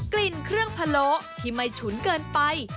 กลิ่นเครื่องพะโล้ที่ไม่ฉุนเกินไป